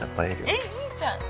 えっいいじゃん！